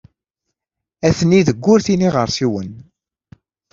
Atni deg wurti n yiɣersiwen.